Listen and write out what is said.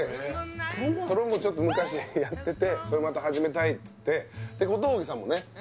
ボーンちょっと昔やっててそれまた始めたいっつってで小峠さんもね